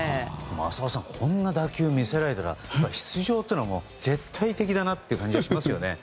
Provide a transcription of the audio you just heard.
浅尾さんこんな打球見せられたら出場は絶対的だなという感じがしますよね。